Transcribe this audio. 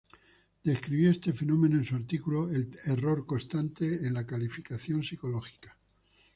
Describió este fenómeno en su artículo "El error constante en la calificación psicológica".